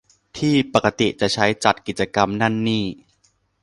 ที่ปกติจะใช้จัดกิจกรรมนั่นนี่